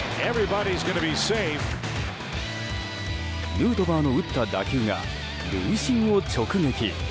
ヌートバーの打った打球が塁審を直撃。